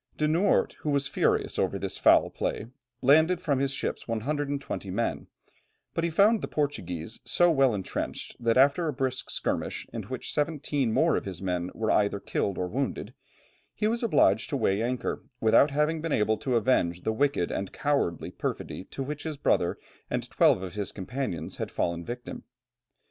De Noort, who was furious over this foul play, landed from his ships 120 men; but he found the Portuguese so well entrenched, that after a brisk skirmish in which seventeen more of his men were either killed or wounded, he was obliged to weigh anchor without having been able to avenge the wicked and cowardly perfidy to which his brother and twelve of his companions had fallen victims.